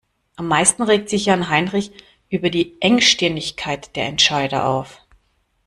Am meisten regt sich Jan-Heinrich über die Engstirnigkeit der Entscheider auf.